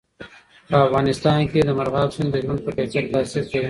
په افغانستان کې مورغاب سیند د ژوند په کیفیت تاثیر کوي.